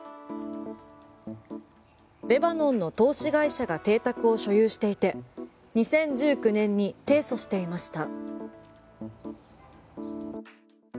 レバノンの投資会社が邸宅を所有していて２０１９年に提訴していました。